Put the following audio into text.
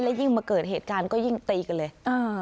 ยิ่งมาเกิดเหตุการณ์ก็ยิ่งตีกันเลย